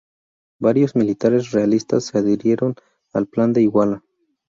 Varios militares realistas se adhirieron al Plan de Iguala.